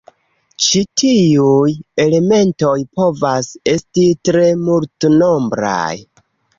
Ĉi tiuj elementoj povas esti tre multnombraj.